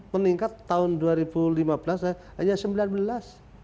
meningkat tahun dua ribu lima belas saya hanya sembilan belas